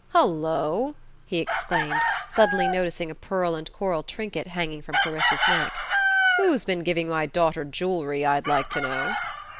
"Hullo," he exclaimed, suddenly noticing a pearl and coral trinket hanging from Clarissa's neck. "Who's been giving my daughter jewellery, I'd like to know!"